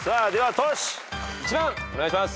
１番お願いします。